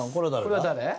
これは誰？